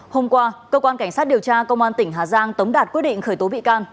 hôm qua cơ quan cảnh sát điều tra công an tỉnh hà giang tống đạt quyết định khởi tố bị can